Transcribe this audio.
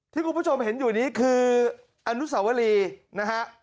ที่คุณผู้ชมเห็นอยู่นี้คืออนุสาวรีนะฮะ